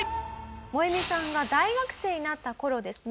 モエミさんが大学生になった頃ですね